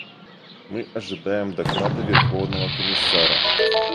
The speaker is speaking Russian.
Мы ожидаем доклада Верховного комиссара.